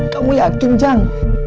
kamu yakin jang